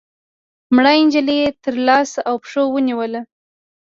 مړه نجلۍ يې تر لاسو او پښو ونيوله